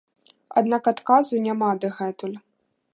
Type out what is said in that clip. Аднак адказу няма дагэтуль.